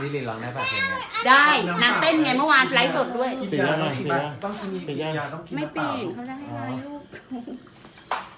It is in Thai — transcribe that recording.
เดี๋ยวค่อยกินอันนี้